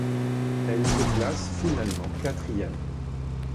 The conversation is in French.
Elle se classe finalement quatrième.